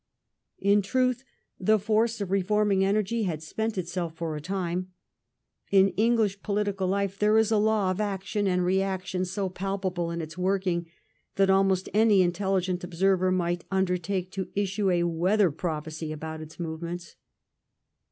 In truth, the force of reforming energy had spent itself for a time. In English political life there is a law of action and reaction so palpable in its working that almost any intelligent observer might undertake to issue a weather prophecy about its movements.